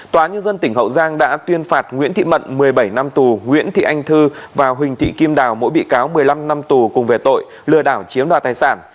tòa nhân dân tỉnh hậu giang đã tuyên phạt nguyễn thị mận một mươi bảy năm tù nguyễn thị anh thư và huỳnh thị kim đào mỗi bị cáo một mươi năm năm tù cùng về tội lừa đảo chiếm đoạt tài sản